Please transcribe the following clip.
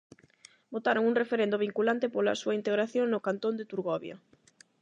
Votaron un referendo vinculante pola a súa integración no cantón de Turgovia.